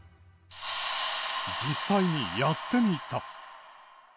実際にやってみた。